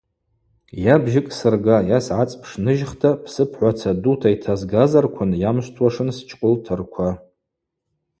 Йа бжьыкӏ сырга, йа сгӏацӏпш ныжьхта – псыпгӏваца дута йтазгазарквын йамшвтуашын счкъвылтырква.